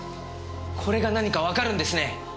これが何かわかるんですね。